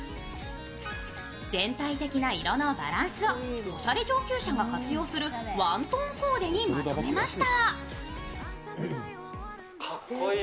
全体的な色のバランスをおしゃれ上級者が活用するワントーンコーデにまとめました。